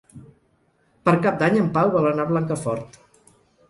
Per Cap d'Any en Pau vol anar a Blancafort.